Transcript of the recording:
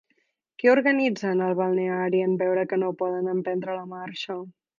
Què organitzen al balneari en veure que no poden emprendre la marxa?